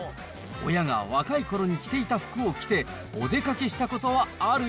親が若いころに着ていた服を着てお出かけしたことはある？